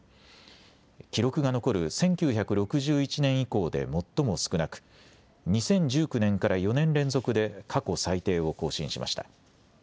記録が残る１９６１年以降で最も少なく、２０１９年から４年連続で過去最低を更新しました。